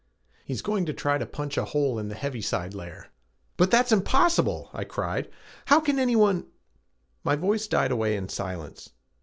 "He's going to try to punch a hole in the heaviside layer." "But that's impossible," I cried. "How can anyone...." My voice died away in silence.